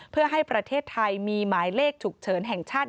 เพื่อให้ประเทศไทยมีหมายเลขฉุกเฉินแห่งชาติ